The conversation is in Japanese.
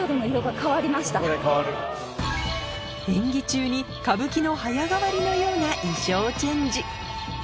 演技中に歌舞伎の早変わりのような衣装チェンジ